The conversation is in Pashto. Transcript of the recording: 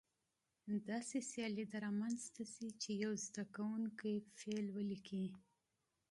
داسې سیالي دې رامنځته شي چې یو زده کوونکی فعل ولیکي.